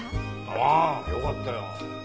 ああよかったよ。